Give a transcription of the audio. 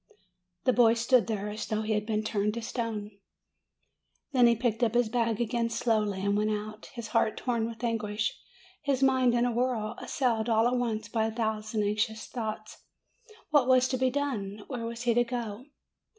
The boy stood there as though he had been turned to stone. Then he picked up his bag again slowly, and went out, his heart torn with anguish, his mind in a whirl, assailed all at once by a thousand anxious thoughts. What was to be done? Where was he to go?